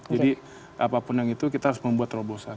jadi apapun yang itu kita harus membuat terobosan